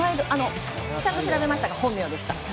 ちゃんと調べましたが本名でした。